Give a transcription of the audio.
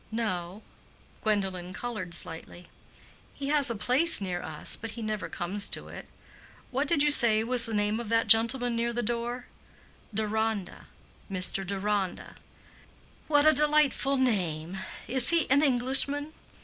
"No." (Gwendolen colored slightly.) "He has a place near us, but he never comes to it. What did you say was the name of that gentleman near the door?" "Deronda—Mr. Deronda." "What a delightful name! Is he an Englishman?"